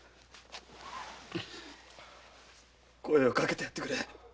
声をかけてやってくれ。